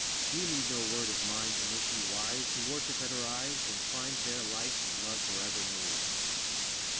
You need no word of mine to make you wise Who worship at her eyes And find there life and love forever new!"